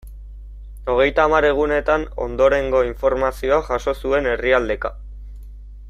Hogeita hamar egunetan ondorengo informazioa jaso zuen herrialdeka.